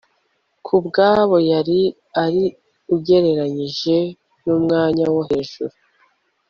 kubwaho yari ari ugereranyije numwanya wo hejuru